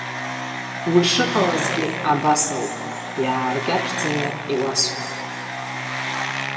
Уи шыҟалазгьы абас ауп, иааркьаҿӡаны иуасҳәап.